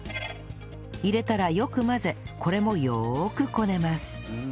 入れたらよく混ぜこれもよーくこねます